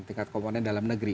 tingkat komunen dalam negeri